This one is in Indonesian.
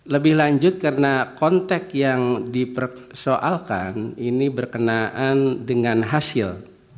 lebih lanjut karena kontek yang dipersoalkan ini berkenaan dengan hasil